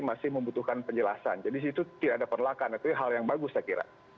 masih membutuhkan penjelasan jadi situ tidak ada penolakan itu hal yang bagus saya kira